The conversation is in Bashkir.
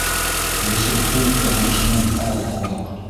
Йософтоң яҙмышынан ал һабаҡ